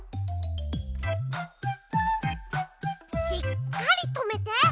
しっかりとめて！